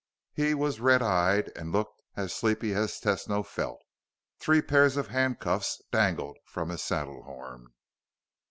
He was red eyed and looked as sleepy as Tesno felt. Three pairs of handcuffs dangled from his saddlehorn.